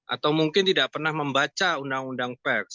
atau mungkin tidak pernah membaca undang undang pers